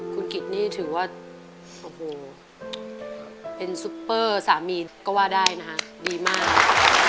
คุณกิจนี่ถือว่าโอ้โหเป็นซุปเปอร์สามีก็ว่าได้นะคะดีมาก